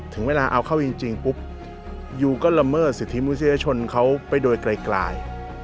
ถึงเวลาเอาเข้าจริงปุ๊บยูก็ละเมิดสิทธิมนุษยชนเขาไปโดยไกล